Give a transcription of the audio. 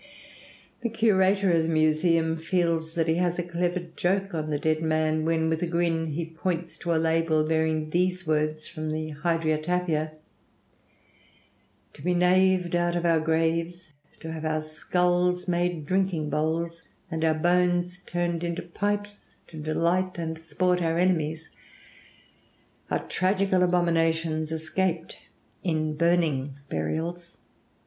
The curator of the museum feels that he has a clever joke on the dead man, when with a grin he points to a label bearing these words from the 'Hydriotaphia': "To be knaved out of our graves, to have our skulls made drinking bowls, and our bones turned into pipes to delight and sport our enemies, are tragical abominations escaped in burning burials."